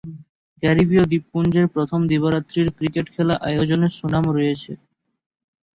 ক্যারিবীয় দ্বীপপুঞ্জের প্রথম দিবা-রাত্রির ক্রিকেট খেলা আয়োজনের সুনাম রয়েছে।